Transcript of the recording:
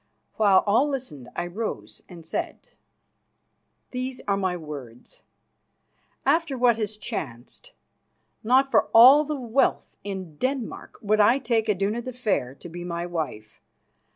While all listened I rose and said: "These are my words. After what has chanced, not for all the wealth in Denmark would I take Iduna the Fair to be my wife.